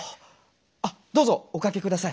あっどうぞお掛け下さい。